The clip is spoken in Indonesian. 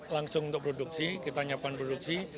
langsung untuk produksi kita nyiapan produksi